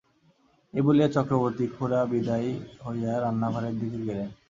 এই বলিয়া চক্রবর্তী-খুড়া বিদায় হইয়া রান্নাঘরের দিকে গেলেন।